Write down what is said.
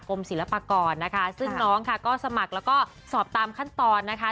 ศิลปากรนะคะซึ่งน้องค่ะก็สมัครแล้วก็สอบตามขั้นตอนนะคะ